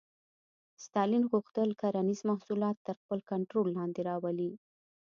ستالین غوښتل کرنیز محصولات تر خپل کنټرول لاندې راولي